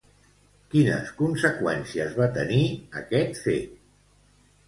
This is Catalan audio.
Quines conseqüències va tenir aquest fet?